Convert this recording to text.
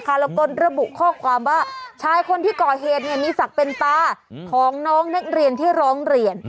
แล้วก็ระบุข้อความว่าชายคนที่ก่อเหตุมีศักดิ์เป็นตาของน้องนักเรียนที่ร้องเรียน